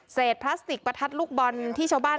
พลาสติกประทัดลูกบอลที่ชาวบ้าน